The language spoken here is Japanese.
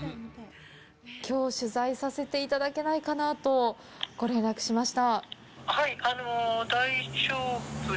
きょう、取材させていただけないかなとご連絡しました。